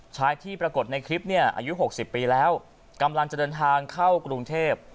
ชายที่ปรากฏในคลิปเนี่ยอายุ๖๐ปีแล้วกำลังจะเดินทางเข้ากรุงเทพ